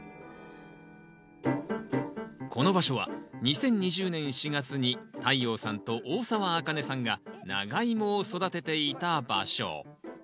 この場所は２０２０年４月に太陽さんと大沢あかねさんがナガイモを育てていた場所。